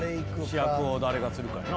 主役を誰がするかやな。